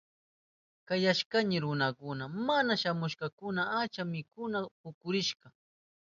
Kayashkayni runakuna mana shamushpankuna achka mikuna puchurishka.